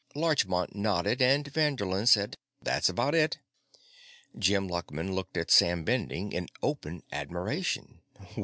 Larchmont nodded, and Vanderlin said, "That's about it." Jim Luckman looked at Sam Bending in open admiration.